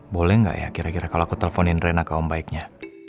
boleh gak ya kira kira kalau aku teleponin rena ke om baiknya